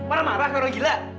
marah marah kalau gila